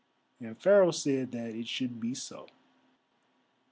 And Pharaoh said that it should be so.